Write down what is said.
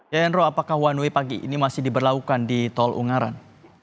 ya hendro apakah one way pagi ini masih diberlakukan di tol ungaran